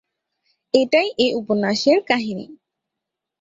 এটাই এ উপন্যাসের কাহিনী।